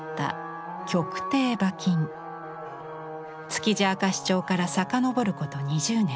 「築地明石町」から遡ること２０年。